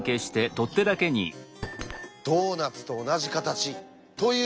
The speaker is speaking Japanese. ドーナツと同じ形というわけです。